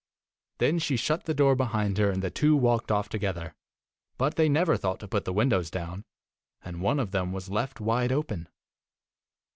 Then she shut the door behind her and the 8 two walked off together ; but they never thought to put the windows down, and one of them was left wide open.